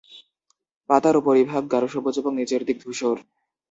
পাতার উপরিভাগ গাঢ় সবুজ এবং নিচের দিক ধূসর।